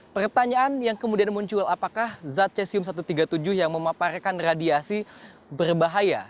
pertanyaan yang kemudian muncul apakah zat cesium satu ratus tiga puluh tujuh yang memaparkan radiasi berbahaya